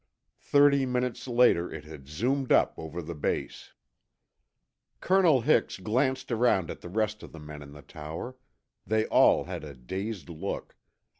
Thirty minutes later, it had zoomed up over the base. Colonel Hix glanced around at the rest of the men in the tower. They all had a dazed look.